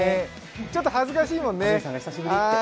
ちょっと恥ずかしいもんね。